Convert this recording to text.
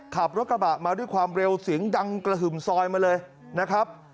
ขับรถกระบะมาด้วยความเร็วเสียงดังกระหึ่มซอยมาเลยนะครับ